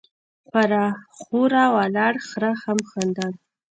، پر اخوره ولاړ خره هم خندل،